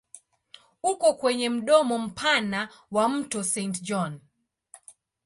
Uko kwenye mdomo mpana wa mto Saint John.